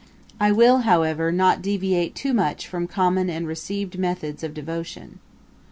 I will, however, not deviate too much from common and received methods of devotion.'